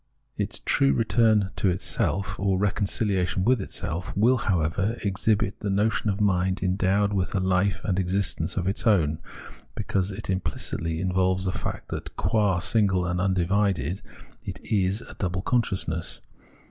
Its true return into itself, or reconciliation with itself, will, however, exhibit the notion of mind endowed with a hfe and existence of its own, because it implicitly involves the fact that, qua single and undivided, it is a double consciousness.